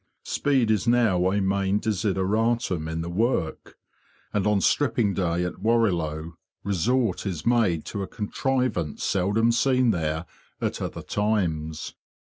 Speed is now a main desideratum in the work, and on stripping day at Warrilow resort is made to a contrivance seldom seen there at other times.